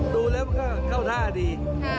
ดูแล้วก็เข้าท่าดี